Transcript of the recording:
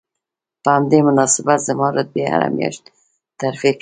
په همدې مناسبت زما رتبې هره میاشت ترفیع کوله